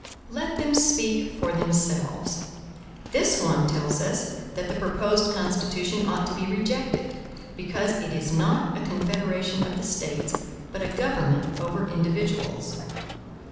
Let them speak for themselves. This one tells us that the proposed Constitution ought to be rejected, because it is not a confederation of the States, but a government over individuals.